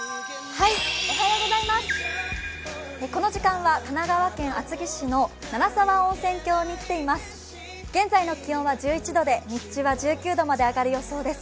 この時間は神奈川県厚木市の七沢温泉郷に来ています。